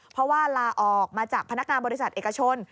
เพราะว่าลาออกมาจากพนักงานบริษัทเอกชน